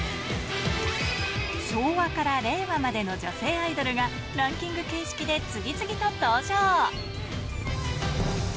昭和から令和までの女性アイドルが、ランキング形式で次々と登場。